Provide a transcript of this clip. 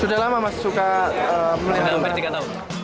sudah lama mas suka menang